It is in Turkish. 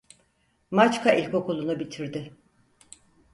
Maçka İlkokulunu bitirdi.